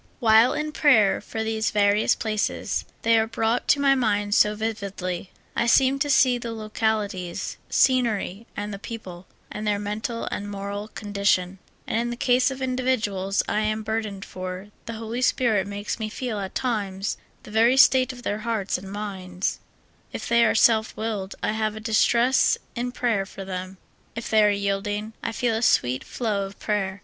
While in prayer for these various places, they are brought to my mind so vividly. I seem to see the local ities, scenery, and the people and their mental and moral condition ; and in the case of individuals I am burdened for, the Holy Spirit makes me feel at times the ver}^ state of their hearts and minds ; if they are self willed, I have a distress in prayer for them ; if they are yielding, I feel a sweet flow of prayer.